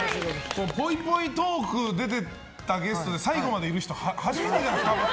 ぽいぽいトーク出てたゲストで最後までいる人初めてじゃないですか。